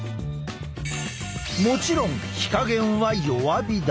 もちろん火加減は弱火だ。